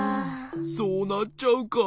そうなっちゃうか。